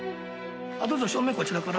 どうぞ正面こちらから。